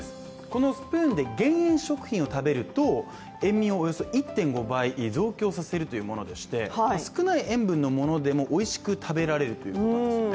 このスプーンで減塩食品を食べると塩味をおよそ１．５倍増強させるというものでして少ない塩分のものでもおいしく食べられるというものなんです。